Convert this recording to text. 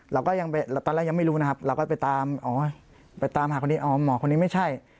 เราก็ยังไปตอนแรกยังไม่รู้นะครับเราก็ไปตามอ๋อไปตามหาคนนี้อ๋อหมอคนนี้ไม่ใช่